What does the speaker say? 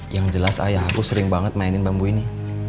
yang jelas ayah aku sering banget mainin bambu ini